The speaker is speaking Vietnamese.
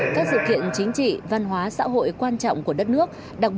các sự kiện chính trị văn hóa xã hội quan trọng của đất nước